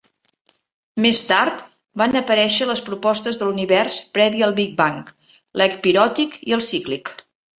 Més tard, van aparèixer les propostes de l'Univers previ al Big Bang, l'ecpiròtic i el cíclic.